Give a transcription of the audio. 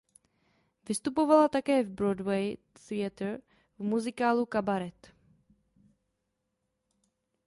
Vystupovala také v Broadway Theatre v muzikálu "Kabaret".